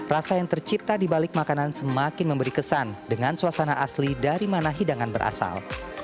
rasa yang tercipta di balik makanan semakin memberi kesan dengan suasana asli dari mana hidangan berasal